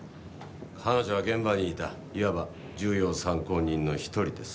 彼女は現場にいたいわば重要参考人の一人です。